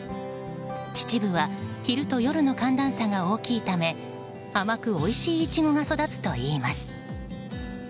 秩父は昼と夜の寒暖差が大きいため甘くおいしいイチゴが育つといいます。